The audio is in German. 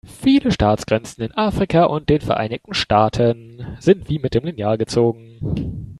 Viele Staatsgrenzen in Afrika und den Vereinigten Staaten sind wie mit dem Lineal gezogen.